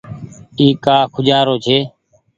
اي ڪآ کوجآرو ڇي۔